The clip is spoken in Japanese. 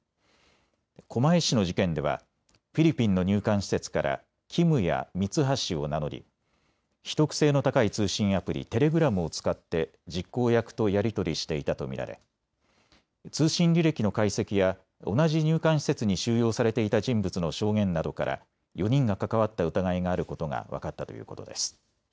狛江市の事件ではフィリピンの入管施設からキムやミツハシを名乗り、秘匿性の高い通信アプリテレグラムを使って実行役とやり取りしていたと見られ通信履歴の解析や同じ入管施設に収容されていた人物の証言などから４人が関わった疑いがあることが分かったということです。